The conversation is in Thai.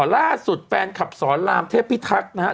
ล่าสุดแฟนคลับสอนรามเทพิทักษ์นะฮะ